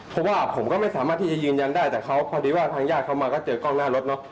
เพราะว่าผมก็ไม่สามารถที่จะยืนยันได้แต่เขาพอดีว่าทางญาติเขามาก็เจอกล้องหน้ารถเนอะ